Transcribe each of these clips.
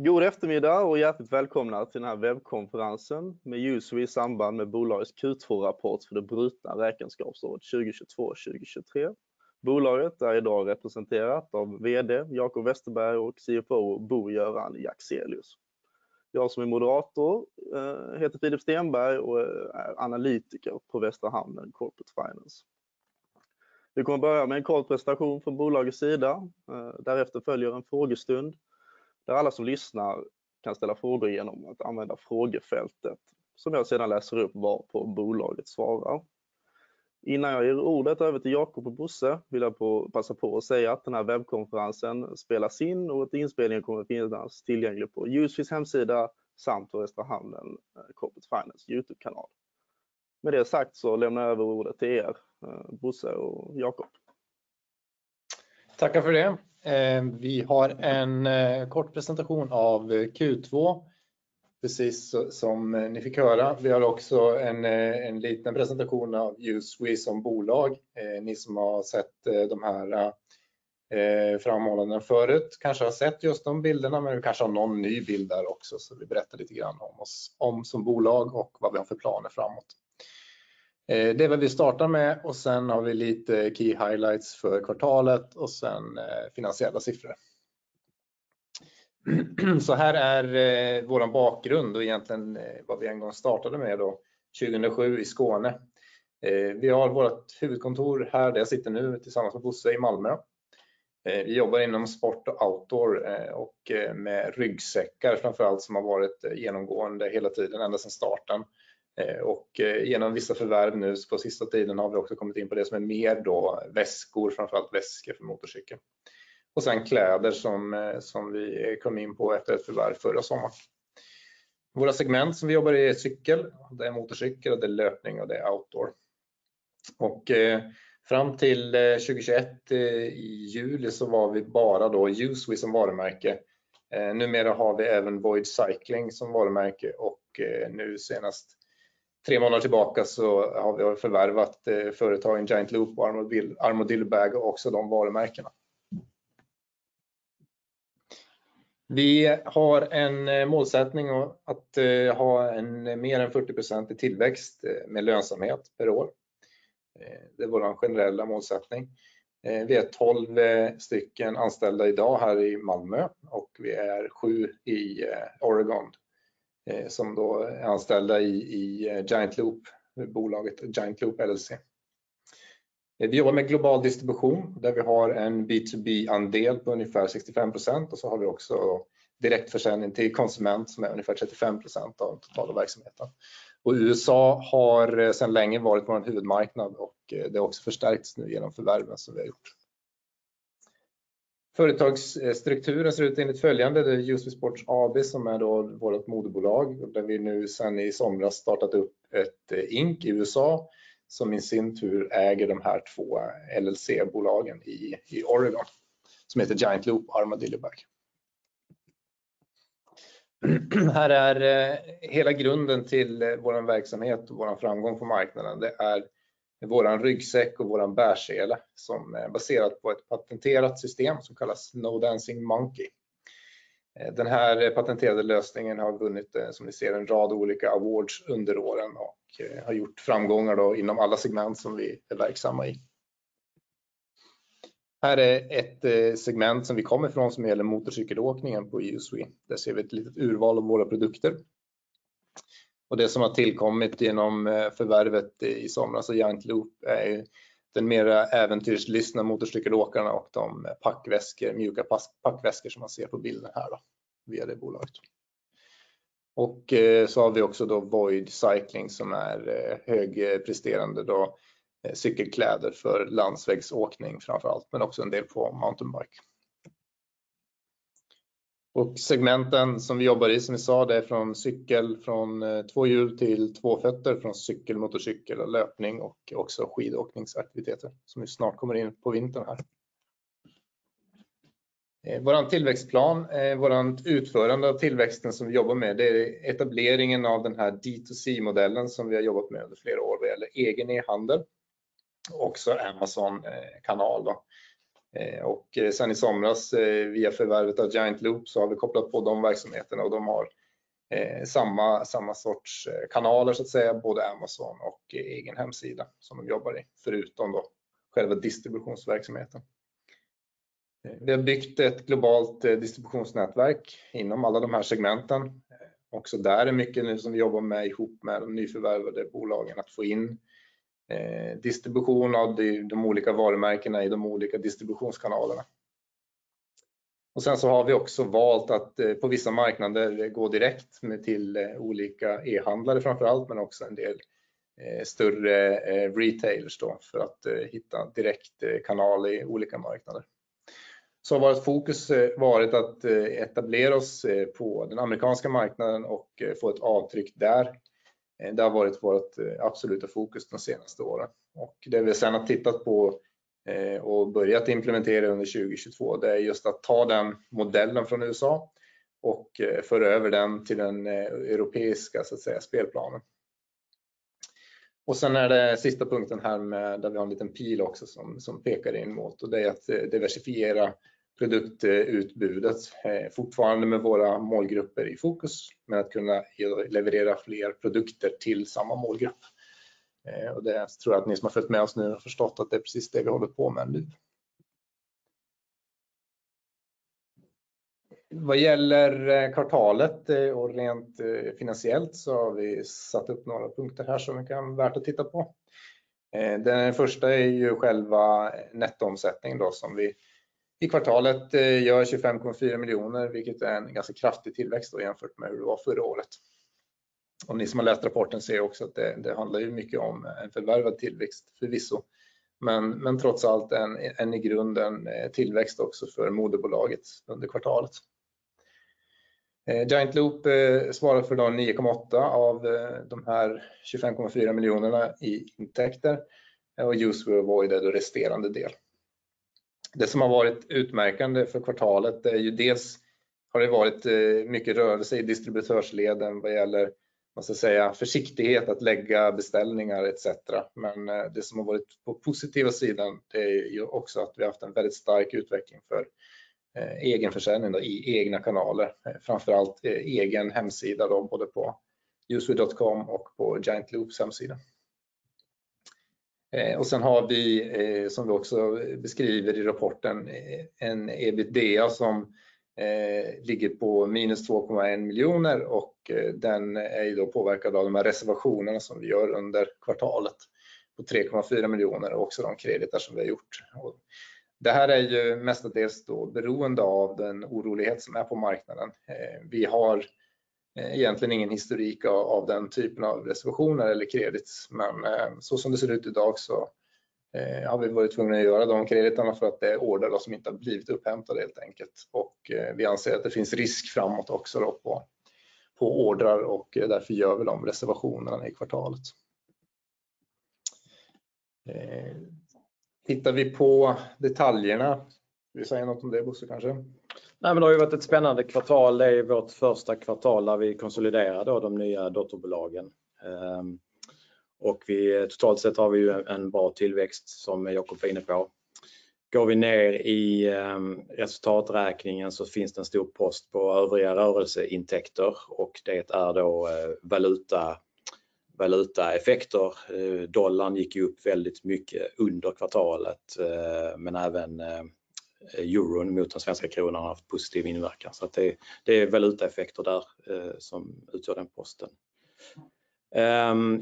God eftermiddag och hjärtligt välkomna till den här webbkonferensen med USWE i samband med bolagets Q2-rapport för det brutna räkenskapsåret 2022-2023. Bolaget är i dag representerat av vd Jacob Westerberg och CFO Bo-Göran Jaxelius. Jag som är moderator heter Filip Stenberg och är analytiker på Västra Hamnen Corporate Finance. Vi kommer att börja med en kort presentation från bolagets sida. Därefter följer en frågestund där alla som lyssnar kan ställa frågor igenom att använda frågefältet som jag sedan läser upp varpå bolaget svarar. Innan jag ger ordet över till Jacob och Bosse vill jag passa på att säga att den här webbkonferensen spelas in och att inspelningen kommer att finnas tillgänglig på USWE's hemsida samt på Västra Hamnen Corporate Finance YouTube-kanal. Med det sagt så lämnar jag över ordet till er, Bosse och Jacob. Tackar för det. Vi har en kort presentation av Q2. Precis som ni fick höra. Vi har också en liten presentation av USWE som bolag. Ni som har sett de här framträdanden förut kanske har sett just de bilderna, men vi kanske har någon ny bild där också. Vi berättar lite grann om oss som bolag och vad vi har för planer framåt. Det är vad vi startar med och sen har vi lite key highlights för kvartalet och sen finansiella siffror. Här är vår bakgrund och egentligen vad vi en gång startade med då 2007 i Skåne. Vi har vårt huvudkontor här där jag sitter nu tillsammans med Bosse i Malmö. Vi jobbar inom sport och outdoor och med ryggsäckar framför allt som har varit genomgående hela tiden ända sedan starten. Genom vissa förvärv nu på sista tiden har vi också kommit in på det som är mer då väskor, framför allt väskor för motorcykel. Sen kläder som vi kom in på efter ett förvärv förra sommaren. Våra segment som vi jobbar i är cykel, det är motorcykel och det är löpning och det är outdoor. Fram till 2021 i juli så var vi bara då USWE som varumärke. Numera har vi även VOID Cycling som varumärke och nu senast 3 månader tillbaka så har vi förvärvat företagen Giant Loop och Armadillo Bag och också de varumärkena. Vi har en målsättning att ha en mer än 40% i tillväxt med lönsamhet per år. Det är vår generella målsättning. Vi är 12 stycken anställda i dag här i Malmö och vi är 7 i Oregon som då är anställda i Giant Loop, bolaget Giant Loop LLC. Vi jobbar med global distribution där vi har en B2B-andel på ungefär 65% och så har vi också direktförsäljning till konsument som är ungefär 35% av totala verksamheten. USA har sedan länge varit vår huvudmarknad och det har också förstärkts nu igenom förvärven som vi har gjort. Företagsstrukturen ser ut enligt följande. Det är USWE Sports AB som är då vårt moderbolag. Där vi nu sedan i somras startat upp ett Inc. i USA som i sin tur äger de här två LLC-bolagen i Oregon som heter Giant Loop och Armadillo Bag. Här är hela grunden till vår verksamhet och vår framgång på marknaden. Det är vår ryggsäck och vår bärsele som är baserat på ett patenterat system som kallas No Dancing Monkey. Den här patenterade lösningen har vunnit som ni ser en rad olika awards under åren och har gjort framgångar då inom alla segment som vi är verksamma i. Här är ett segment som vi kommer ifrån som gäller motorcykelåkningen på USWE. Där ser vi ett litet urval av våra produkter. Det som har tillkommit igenom förvärvet i somras av Giant Loop är den mera äventyrslystna motorcykelåkarna och de packväskor, mjuka packväskor som man ser på bilden här via det bolaget. Så har vi också då Void Cycling som är högpresterande då cykelkläder för landsvägsåkning framför allt, men också en del på mountainbike. Segmenten som vi jobbar i som vi sa, det är från cykel, från två hjul till två fötter, från cykel, motorcykel och löpning och också skidåkningsaktiviteter som ju snart kommer in på vintern här. Våran tillväxtplan, vårat utförande av tillväxten som vi jobbar med, det är etableringen av den här D2C-modellen som vi har jobbat med under flera år vad gäller egen e-handel och också Amazon-kanal. Sen i somras via förvärvet av Giant Loop så har vi kopplat på de verksamheterna. De har samma sorts kanaler så att säga, både Amazon och egen hemsida som de jobbar i, förutom då själva distributionsverksamheten. Vi har byggt ett globalt distributionsnätverk inom alla de här segmenten. Också där är mycket nu som vi jobbar med ihop med de nyförvärvade bolagen att få in distribution av de olika varumärkena i de olika distributionskanalerna. Sen så har vi också valt att på vissa marknader gå direkt till olika e-handlare framför allt, men också en del större retailers då för att hitta direkt kanal i olika marknader. Har vårt fokus varit att etablera oss på den amerikanska marknaden och få ett avtryck där. Det har varit vårt absoluta fokus de senaste åren. Det vi sedan har tittat på och börjat implementera under 2022, det är just att ta den modellen från USA och föra över den till den europeiska så att säga spelplanen. Sen är det sista punkten här med, där vi har en liten pil också som pekar in mot. Det är att diversifiera produktutbudet. Fortfarande med våra målgrupper i fokus, men att kunna ge, leverera fler produkter till samma målgrupp. Det tror jag att ni som har följt med oss nu har förstått att det är precis det vi håller på med nu. Vad gäller kvartalet och rent finansiellt så har vi satt upp några punkter här som kan vara värt att titta på. Den första är ju själva nettoomsättning som vi i kvartalet gör SEK 25.4 miljoner, vilket är en ganska kraftig tillväxt jämfört med hur det var förra året. Ni som har läst rapporten ser också att det handlar ju mycket om en förvärvad tillväxt förvisso, men trots allt en i grunden tillväxt också för moderbolaget under kvartalet. Giant Loop svarar för SEK 9.8 av de här SEK 25.4 miljonerna i intäkter och USWE Void för resterande del. Det som har varit utmärkande för kvartalet är ju dels har det varit mycket rörelse i distributörsleden vad gäller, vad ska jag säga, försiktighet att lägga beställningar et cetera. Det som har varit på positiva sidan, det är ju också att vi haft en väldigt stark utveckling för egenförsäljning i egna kanaler, framför allt egen hemsida både på uswe.com och på Giant Loop's hemsida. Sen har vi, som vi också beskriver i rapporten, en EBITDA som ligger på SEK -2.1 million och den är ju då påverkad av de här reservationerna som vi gör under kvartalet på SEK 3.4 million och också de krediter som vi har gjort. Det här är ju mestadels då beroende av den orolighet som är på marknaden. Vi har egentligen ingen historik av den typen av reservationer eller credits, men så som det ser ut i dag så har vi varit tvungna att göra de krediterna för att det är order då som inte har blivit upphämtade helt enkelt. Vi anser att det finns risk framåt också då på ordrar och därför gör vi de reservationerna i kvartalet. Tittar vi på detaljerna. Vill du säga något om det Bosse kanske? Nej, men det har ju varit ett spännande kvartal. Det är vårt första kvartal där vi konsoliderar då de nya dotterbolagen. Vi totalt sett har vi ju en bra tillväxt som Jacob är inne på. Går vi ner i resultaträkningen så finns det en stor post på övriga rörelseintäkter och det är då valuta, valutaeffekter. Dollarn gick upp väldigt mycket under kvartalet, men även euron mot den svenska kronan har haft positiv inverkan. Så att det är valutaeffekter där som utgör den posten.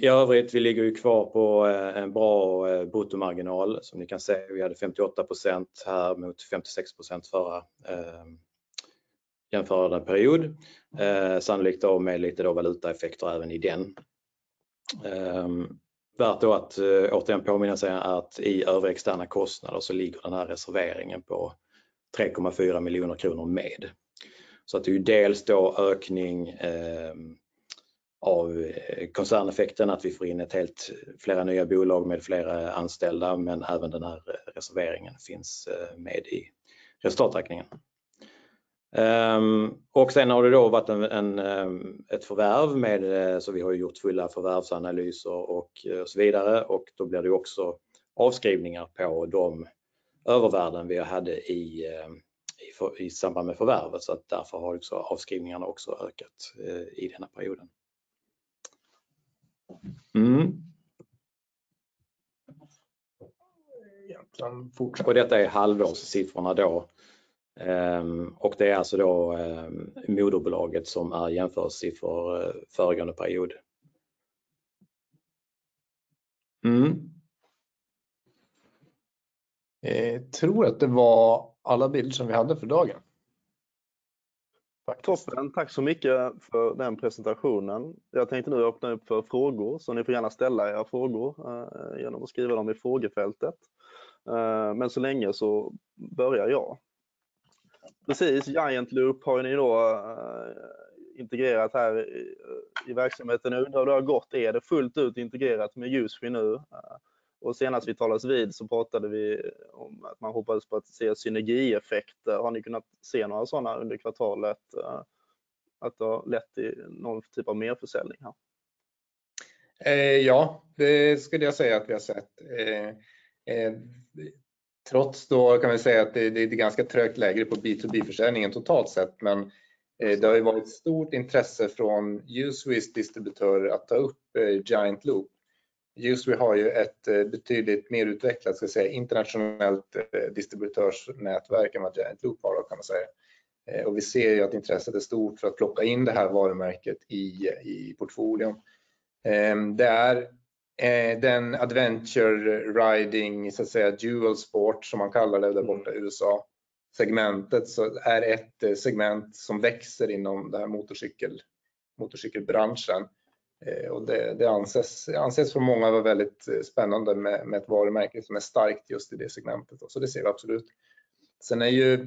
I övrigt, vi ligger ju kvar på en bra bruttomarginal. Som ni kan se, vi hade 58% här mot 56% förra jämförda period. Sannolikt då med lite valutaeffekter även i den. Värt då att återigen påminna sig att i övriga externa kostnader så ligger den här reserveringen på SEK 3.4 million med. Det är ju dels en ökning av koncerneffekten att vi får in flera nya bolag med fler anställda, men även den här reserveringen finns med i resultaträkningen. Sen har det då varit ett förvärv, så vi har gjort fulla förvärvsanalyser och så vidare. Då blir det ju också avskrivningar på de övervärden vi hade i samband med förvärvet. Därför har också avskrivningarna ökat i den här perioden. Egentligen Detta är halvårssiffrorna då. Det är alltså då moderbolaget som är jämförelsesiffra föregående period. Jag tror att det var alla bilder som vi hade för dagen. Toppen. Tack så mycket för den presentationen. Jag tänkte nu öppna upp för frågor så ni får gärna ställa era frågor genom att skriva dem i frågefältet. Så länge så börjar jag. Precis, Giant Loop har ni då integrerat här i verksamheten nu. Hur har det gått? Är det fullt ut integrerat med USWE nu? Och senast vi talade vid så pratade vi om att man hoppades på att se synergieffekter. Har ni kunnat se några sådana under kvartalet? Att det har lett till någon typ av merförsäljning här? Ja, det skulle jag säga att vi har sett. Trots det kan vi säga att det är ganska trögt läge på B2B-försäljningen totalt sett. Det har ju varit stort intresse från USWE's distributörer att ta upp Giant Loop. USWE har ju ett betydligt mer utvecklat, ska vi säga, internationellt distributörsnätverk än vad Giant Loop har det kan man säga. Vi ser ju att intresset är stort för att plocka in det här varumärket i portföljen. Det är den adventure riding, så att säga dual-sport som man kallar det där borta i USA-segmentet. Det är ett segment som växer inom det här motorcykelbranschen. Det anses för många vara väldigt spännande med ett varumärke som är starkt just i det segmentet. Det ser vi absolut. är ju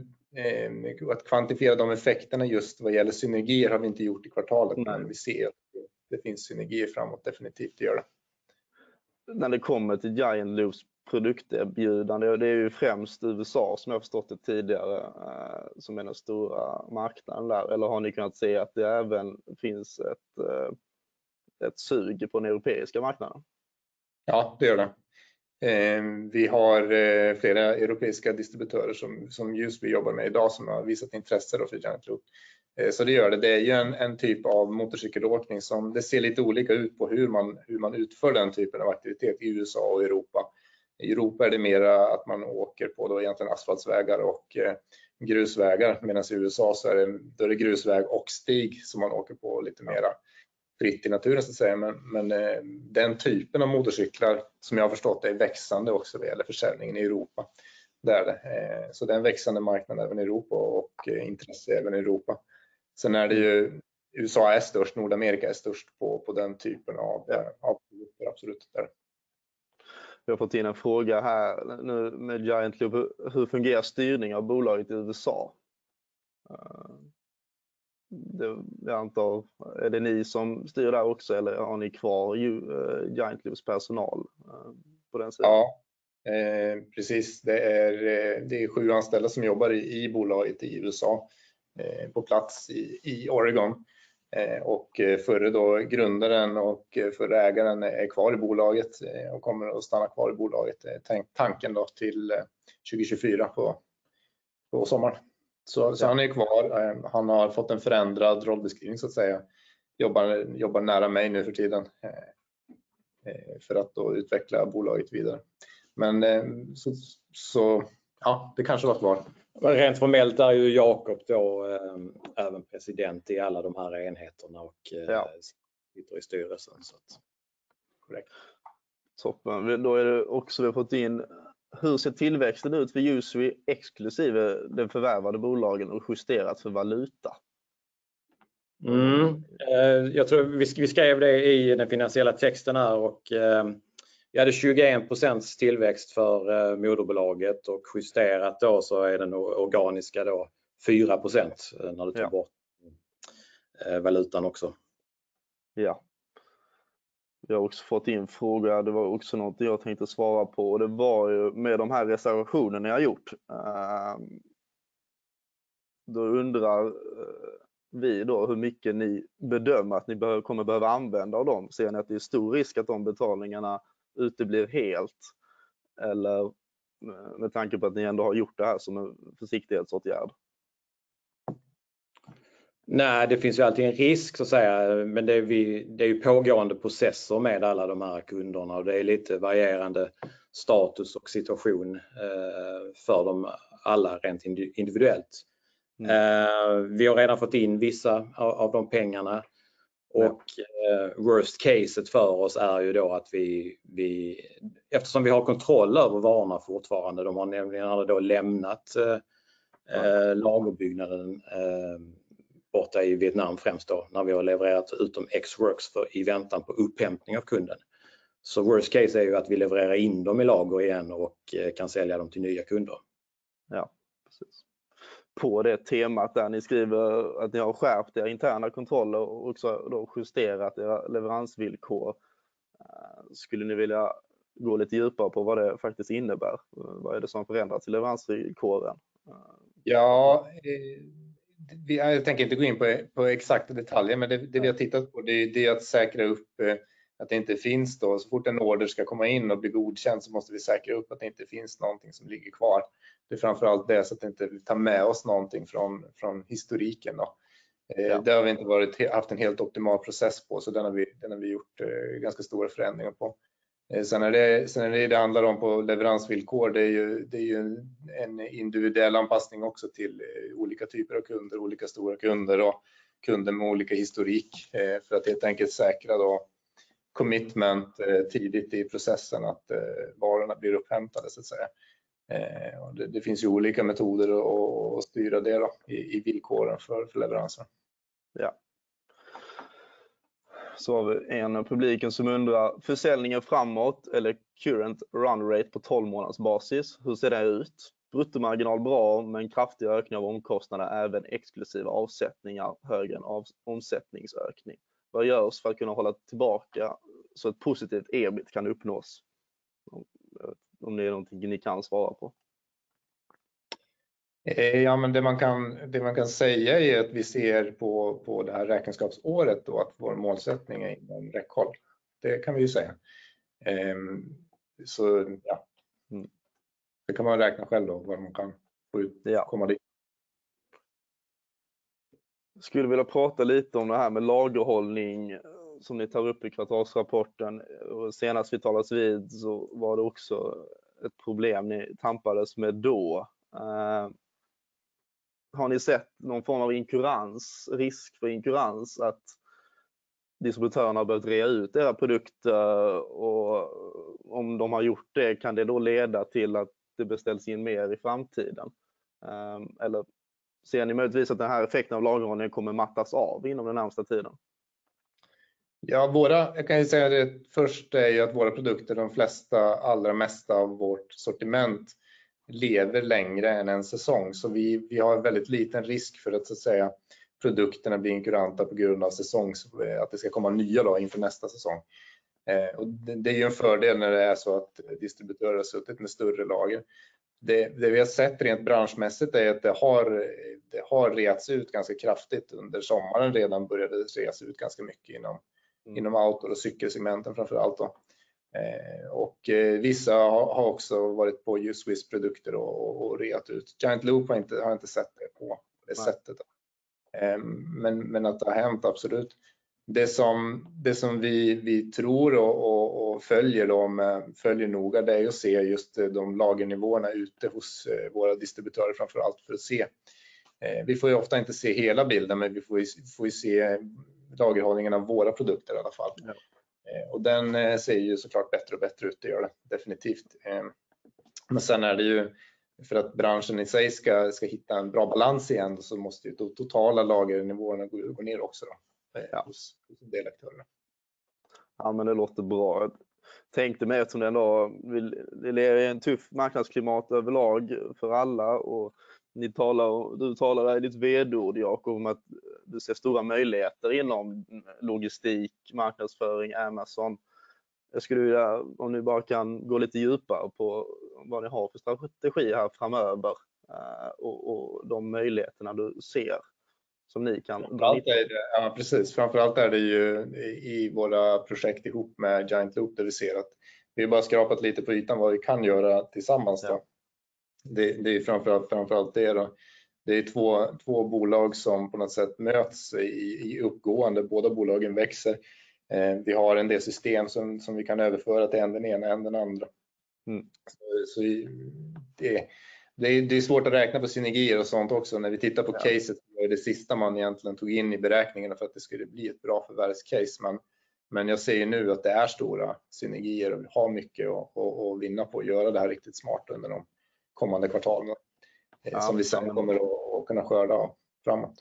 att kvantifiera de effekterna just vad gäller synergier har vi inte gjort i kvartalet. Vi ser att det finns synergier framåt definitivt att göra. När det kommer till Giant Loop's produkt-erbjudande, det är ju främst USA som jag förstått det tidigare, som är den stora marknaden där. Eller har ni kunnat se att det även finns ett sug på den europeiska marknaden? Ja, det gör det. Vi har flera europeiska distributörer som just vi jobbar med idag som har visat intresse för Giant Loop. Det gör det. Det är ju en typ av motorcykelåkning som det ser lite olika ut på hur man utför den typen av aktivitet i USA och Europa. I Europa är det mera att man åker på då egentligen asfaltsvägar och grusvägar. Medan i USA så är det då är det grusväg och stig som man åker på lite mera fritt i naturen så att säga. Men den typen av motorcyklar som jag har förstått det är växande också vad det gäller försäljningen i Europa. Det är det. Det är en växande marknad även i Europa och intresse även i Europa. USA är störst, Nordamerika är störst på den typen av produkter absolut där. Vi har fått in en fråga här nu med Giant Loop. Hur fungerar styrning av bolaget i USA? Jag antar. Är det ni som styr där också? Eller har ni kvar Giant Loop's personal på den sidan? Ja, precis, det är 7 anställda som jobbar i bolaget i USA, på plats i Oregon. Förre då grundaren och förre ägaren är kvar i bolaget och kommer att stanna kvar i bolaget. Tanken då till 2024 på sommaren. Han är kvar. Han har fått en förändrad rollbeskrivning så att säga. Jobbar nära mig nu för tiden, för att då utveckla bolaget vidare. Ja, det kanske var klart. Rent formellt är ju Jacob då även president i alla de här enheterna. Ja Sitter i styrelsen så att. Toppen. Då är det också vi har fått in. Hur ser tillväxten ut för USWE exklusive den förvärvade bolagen och justerat för valuta? Jag tror vi skrev det i den finansiella texten här och vi hade 21% tillväxt för moderbolaget och justerat då så är den organiska då 4% när du tar bort valutan också. Ja. Vi har också fått in fråga. Det var också något jag tänkte svara på. Det var ju med de här reservationerna ni har gjort. Då undrar vi då hur mycket ni bedömer att ni behöver, kommer behöva använda av dem. Ser ni att det är stor risk att de betalningarna uteblir helt? Eller med tanke på att ni ändå har gjort det här som en försiktighetsåtgärd. Nej, det finns ju alltid en risk så att säga. Det är ju pågående processer med alla de här kunderna och det är lite varierande status och situation för de alla rent individuellt. Vi har redan fått in vissa av de pengarna och worst case för oss är ju då att vi Eftersom vi har kontroll över varorna fortfarande. De har nämligen aldrig då lämnat lagerbyggnaden borta i Vietnam, främst då när vi har levererat Ex Works i väntan på upphämtning av kunden. Worst case är ju att vi levererar in dem i lager igen och kan sälja dem till nya kunder. Ja, precis. På det temat där ni skriver att ni har skärpt era interna kontroller och också då justerat era leveransvillkor. Skulle ni vilja gå lite djupare på vad det faktiskt innebär? Vad är det som förändrats i leveransvillkoren? Jag tänker inte gå in på exakta detaljer, men det vi har tittat på är att säkra upp att det inte finns så fort en order ska komma in och bli godkänd så måste vi säkra upp att det inte finns någonting som ligger kvar. Det är framför allt det så att inte vi tar med oss någonting från historiken då. Det har vi inte haft en helt optimal process på, den har vi gjort ganska stora förändringar på. Det handlar om leveransvillkor. Det är ju en individuell anpassning också till olika typer av kunder, olika stora kunder och kunder med olika historik. För att helt enkelt säkra commitment tidigt i processen att varorna blir upphämtade så att säga. Det finns ju olika metoder att styra det då i villkoren för leveransen. Ja. har vi en av publiken som undrar: Försäljningen framåt eller current run rate på tolv månadsbasis. Hur ser det ut? Bruttomarginal bra men kraftig ökning av omkostnader, även exklusive avsättningar, högre än omsättningsökning. Vad görs för att kunna hålla tillbaka så ett positivt EBIT kan uppnås? Om det är någonting ni kan svara på. Det man kan säga är att vi ser på det här räkenskapsåret att vår målsättning är inom räckhåll. Det kan vi ju säga. Det kan man räkna själv, hur man kan komma dit. Skulle vilja prata lite om det här med lagerhållning som ni tar upp i kvartalsrapporten. Senast vi talas vid så var det också ett problem ni tampades med då. Har ni sett någon form av inkurans, risk för inkurans, att distributörerna har behövt rea ut era produkter? Om de har gjort det, kan det då leda till att det beställs in mer i framtiden? Ser ni möjligtvis att den här effekten av lagerhållningen kommer mattas av inom den närmsta tiden? Jag kan ju säga det först är ju att våra produkter, de flesta, allra mesta av vårt sortiment lever längre än en säsong. Vi har väldigt liten risk för att så att säga produkterna blir inkuranta på grund av att det ska komma nya då inför nästa säsong. Det är ju en fördel när det är så att distributörer har suttit med större lager. Det vi har sett rent branschmässigt är att det har reats ut ganska kraftigt under sommaren. Redan började reas ut ganska mycket inom outdoor och cykelsegmenten framför allt då. Vissa har också varit på Just Swiss produkter och reat ut. Giant Loop har jag inte sett det på det sättet. Att det har hänt, absolut. Det som vi tror och följer noga, det är att se just de lagernivåerna ute hos våra distributörer, framför allt för att se. Vi får ju ofta inte se hela bilden, men vi får ju se lagerhållningen av våra produkter i alla fall. Den ser ju så klart bättre och bättre ut, det gör det definitivt. Men sen är det ju för att branschen i sig ska hitta en bra balans igen. Totala lagernivåerna måste ju gå ner också hos aktörerna. Det låter bra. Tänkte mer eftersom det då vi lever i en tuff marknadsklimat överlag för alla och ni talar, du talar i ditt vd-ord, Jacob, om att du ser stora möjligheter inom logistik, marknadsföring, Amazon. Jag skulle vilja om du bara kan gå lite djupare på vad ni har för strategi här framöver och de möjligheterna du ser som ni kan. Framför allt är det, ja precis. Framför allt är det ju i våra projekt ihop med Giant Loop där vi ser att vi har bara skrapat lite på ytan vad vi kan göra tillsammans då. Det är framför allt det då. Det är två bolag som på något sätt möts i uppgång. Båda bolagen växer. Vi har en del system som vi kan överföra till än den ena, än den andra. Så det är svårt att räkna på synergier och sånt också. När vi tittar på caset är det det sista man egentligen tog in i beräkningarna för att det skulle bli ett bra förvärvscase. Men jag ser nu att det är stora synergier och vi har mycket att vinna på att göra det här riktigt smart under de kommande kvartalen som vi sedan kommer att kunna skörda framåt.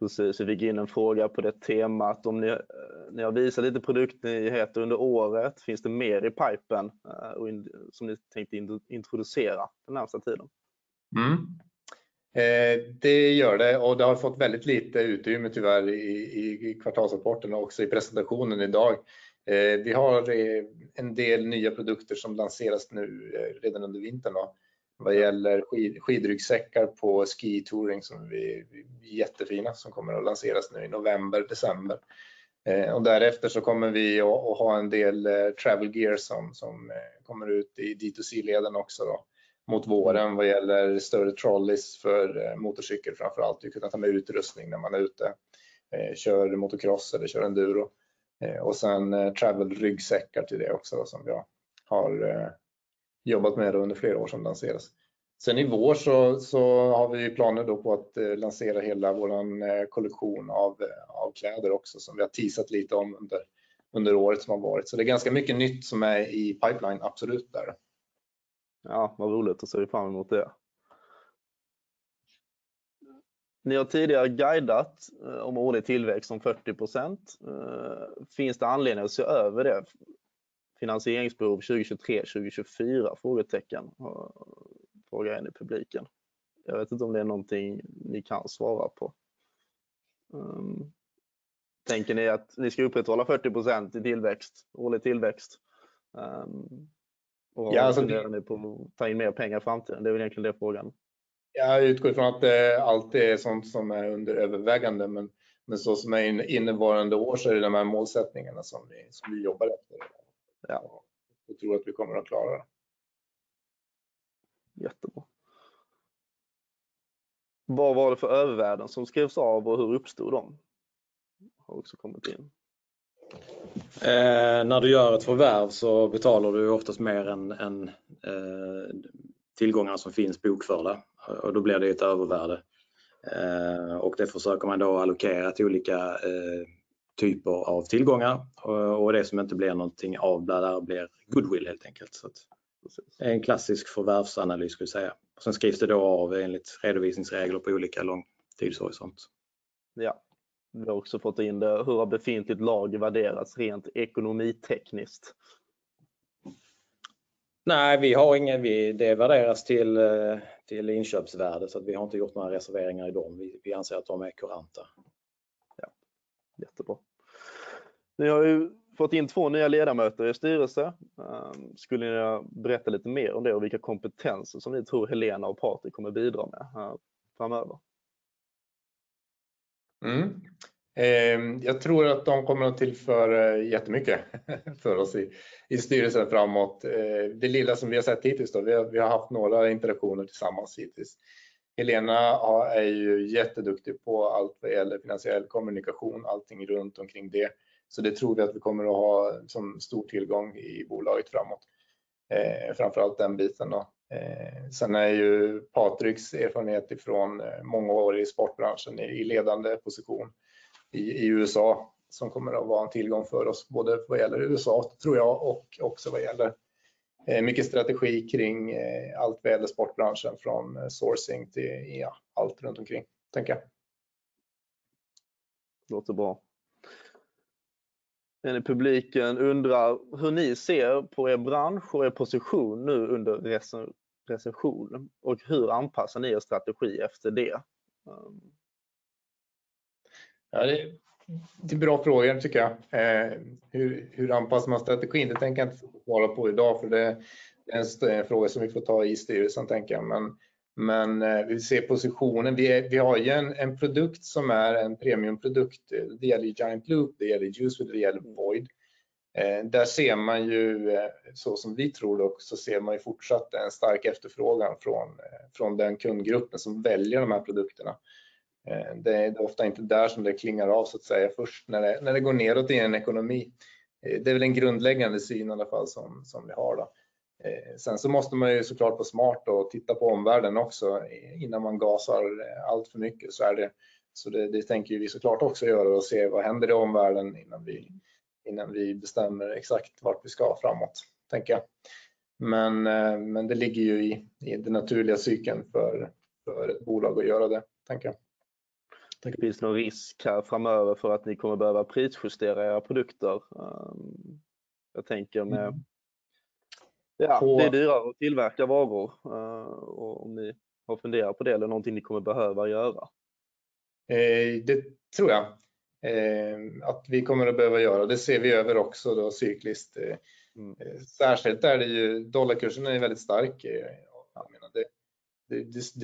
Precis, vi fick in en fråga på det temat. Ni har visat lite produktnyheter under året. Finns det mer i pipen som ni tänkte introducera den närmaste tiden? Det gör det och det har fått väldigt lite utrymme tyvärr i kvartalsrapporten och också i presentationen i dag. Vi har en del nya produkter som lanseras nu redan under vintern då. Vad gäller skidryggsäckar på ski touring som är jättefina, som kommer att lanseras nu i november, december. Därefter så kommer vi att ha en del travel gear som kommer ut i D2C-leden också då mot våren. Vad gäller större trolleys för motorcykel, framför allt för att kunna ta med utrustning när man är ute, kör motocross eller kör enduro. Sen travel-ryggsäckar till det också som vi har jobbat med under flera år som lanseras. I vår så har vi planer på att lansera hela vår kollektion av kläder också som vi har teasat lite om under året som har varit. Det är ganska mycket nytt som är i pipeline absolut där. Ja, vad roligt. Då ser vi fram emot det. Ni har tidigare guidat om årlig tillväxt om 40%. Finns det anledning att se över det? Finansieringsbehov 2023, 2024? Frågetecken, frågar en i publiken. Jag vet inte om det är någonting ni kan svara på. Tänker ni att ni ska upprätthålla 40% i tillväxt, årlig tillväxt? Och funderar ni på att ta in mer pengar i framtiden? Det är väl egentligen det frågan. Ja, jag utgår ifrån att det alltid är sådant som är under övervägande. Så som är innevarande år så är det de här målsättningarna som vi jobbar efter. Jag tror att vi kommer att klara det. Jättebra. Vad var det för övervärden som skrevs av och hur uppstod de? Har också kommit in. När du gör ett förvärv så betalar du oftast mer än tillgångar som finns bokförda och då blir det ett övervärde. Det försöker man då allokera till olika typer av tillgångar och det som inte blir någonting av det där blir goodwill helt enkelt. Det är en klassisk förvärvsanalys skulle jag säga. Skrivs det då av enligt redovisningsregler på olika lång tidshorisont. Ja, vi har också fått in det. Hur har befintligt lager värderats rent ekonomitekniskt? Nej, det värderas till inköpsvärde. Vi har inte gjort några reserveringar i dem. Vi anser att de är kuranta. Ja, jättebra. Ni har ju fått in två nya ledamöter i styrelsen. Skulle ni vilja berätta lite mer om det och vilka kompetenser som ni tror Helena och Patrik kommer bidra med framöver? Jag tror att de kommer att tillföra jättemycket för oss i styrelsen framåt. Det lilla som vi har sett hittills då, vi har haft några interaktioner tillsammans hittills. Helena är ju jätteduktig på allt vad gäller finansiell kommunikation, allting runt omkring det. Så det tror vi att vi kommer att ha som stor tillgång i bolaget framåt. Framför allt den biten då. Är ju Patriks erfarenhet ifrån många år i sportbranschen i ledande position i USA som kommer att vara en tillgång för oss, både vad gäller USA tror jag och också vad gäller mycket strategi kring allt vad gäller sportbranschen, från sourcing till allt runt omkring tänker jag. Låter bra. En i publiken undrar hur ni ser på er bransch och er position nu under recessionen och hur anpassar ni er strategi efter det? Ja, det är bra frågor tycker jag. Hur anpassar man strategin? Det tänker jag inte hålla på i dag för det är en fråga som vi får ta i styrelsen tänker jag. Men vi ser positionen. Vi har ju en produkt som är en premiumprodukt. Det gäller ju Giant Loop, det gäller ju USWE, det gäller VOID. Där ser man ju, så som vi tror dock, så ser man ju fortsatt en stark efterfrågan från den kundgruppen som väljer de här produkterna. Det är ofta inte där som det klingar av så att säga först när det går nedåt i en ekonomi. Det är väl en grundläggande syn i alla fall som vi har då. Måste man ju så klart vara smart och titta på omvärlden också innan man gasar alltför mycket. Är det. Det tänker vi så klart också göra och se vad händer i omvärlden innan vi bestämmer exakt vart vi ska framåt tänker jag. Det ligger ju i den naturliga cykeln för ett bolag att göra det tänker jag. Tänker det finns någon risk här framöver för att ni kommer behöva prisjustera era produkter? Ja, det är dyrare att tillverka varor. Om ni har funderat på det eller någonting ni kommer behöva göra. Det tror jag att vi kommer att behöva göra. Det ser vi över också då cykliskt. Särskilt är det ju dollarkursen väldigt stark. Jag menar, det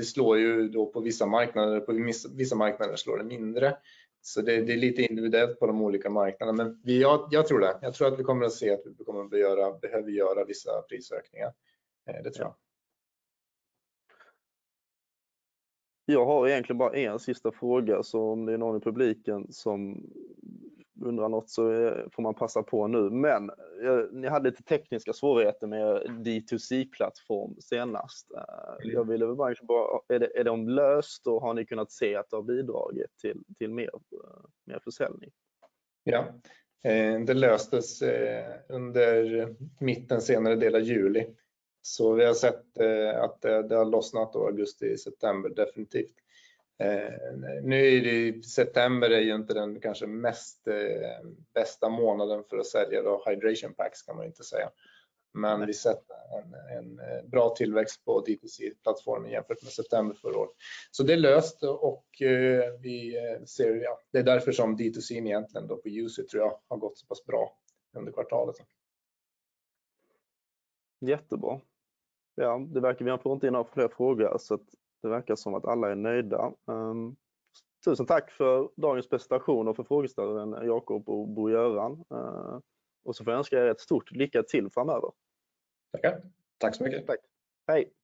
slår ju då på vissa marknader slår det mindre. Så det är lite individuellt på de olika marknaderna. Men jag tror det. Jag tror att vi kommer att se att vi behöver göra vissa prisökningar. Det tror jag. Jag har egentligen bara en sista fråga, så om det är någon i publiken som undrar något så får man passa på nu. Ni hade lite tekniska svårigheter med D2C-plattform senast. Jag ville bara fråga, är det löst och har ni kunnat se att det har bidragit till mer försäljning? Ja, det löstes under mitten, senare del av juli. Vi har sett att det har lossnat då augusti, september, definitivt. Nu är det ju september är ju inte den kanske mest bästa månaden för att sälja då hydration packs kan man inte säga. Vi har sett en bra tillväxt på D2C-plattformen jämfört med september förra år. Det är löst och vi ser det. Det är därför som D2C egentligen då på USWE tror jag har gått så pass bra under kvartalet. Jättebra. Ja, det verkar vi har inte några fler frågor så att det verkar som att alla är nöjda. Tusen tack för dagens presentation och för frågestunden, Jacob och Bo-Göran. Får jag önska er ett stort lycka till framöver. Tackar. Tack så mycket. Hej